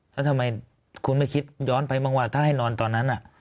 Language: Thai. แล้วทำไมคุณไม่คิดย้อนไปบ้างว่าถ้าให้นอนตอนนั้น